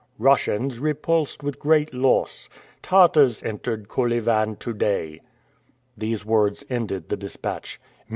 "Russians repulsed with great loss. Tartars entered Kolyvan to day." These words ended the dispatch.